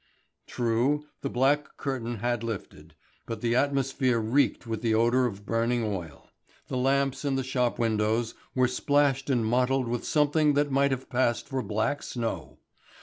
True, the black curtain had lifted, but the atmosphere reeked with the odour of burning oil. The lamps and shop windows were splashed and mottled with something that might have passed for black snow.